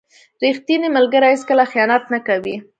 • ریښتینی ملګری هیڅکله خیانت نه کوي.